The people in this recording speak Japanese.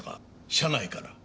車内から。